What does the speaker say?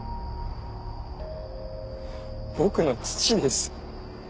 僕の父です。